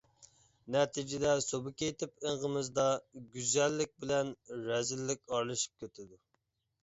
نەتىجىدە سۇبيېكتىپ ئېڭىمىزدا گۈزەللىك بىلەن رەزىللىك ئارىلىشىپ كېتىدۇ.